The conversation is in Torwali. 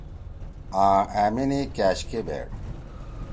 آں أمنی کأشکے بیٹھ ۔